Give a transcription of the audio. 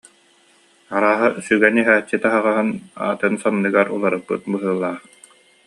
Арааһа, сүгэн иһээччи таһаҕаһын атын санныгар уларыппыт быһыылаах